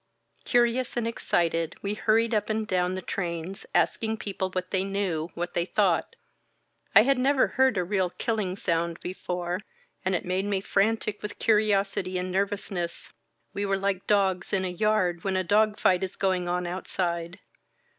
Curious and excited, we hurried up and down the trains, asking people what they knew, what they thought. I had never heard a real killing sound be fore, and it made me frantic with curiosity and ner . vousness. We were like dogs in a yard when a dog fight is going on outside.